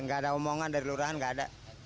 nggak ada omongan dari lurahan nggak ada